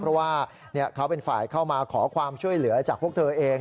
เพราะว่าเขาเป็นฝ่ายเข้ามาขอความช่วยเหลือจากพวกเธอเอง